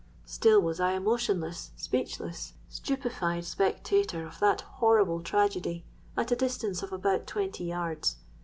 "Still was I a motionless, speechless, stupified spectator of that horrible tragedy, at a distance of about twenty yards.